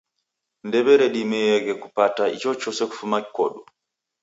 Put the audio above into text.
Ndew'eredimieghe kupata ichochose kufuma kodu.